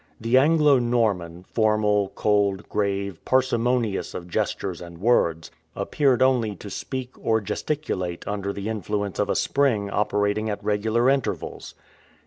The Anglo Norman, formal, cold, grave, parsimonious of gestures and words, appeared only to speak or gesticulate under the influence of a spring operating at regular intervals.